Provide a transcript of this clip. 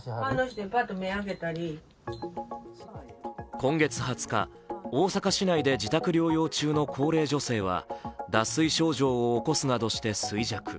今月２０日、大阪市内で自宅療養中の高齢女性は脱水症状を起こすなどして衰弱。